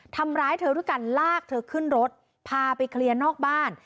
ทำร้ายเธอด้วยการลากเธอขึ้นรถพาไปเคลียร์นอกบ้าน